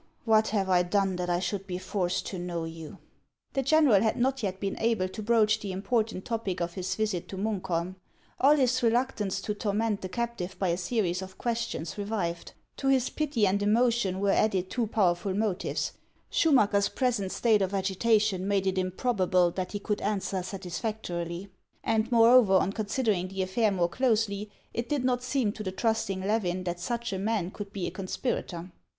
what have I done that I should be forced to know you ?" The general had not yet been able to broach the impor tant topic of his visit to Munkholm. All his reluctance to torment the captive by a series of questions, revived ; to his pity and emotion were added two powerful motives : Sclmmacker's present state of agitation made it improba ble that he could answer satisfactorily ; and, moreover, on considering the affair more closely, it did not seem to the trusting Levin that such a man could be a conspirator.